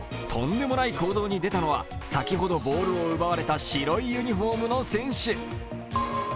とんでもない行動に出たのは、先ほどボールを奪われた白いユニフォームの選手。